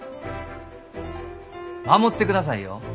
守ってくださいよ。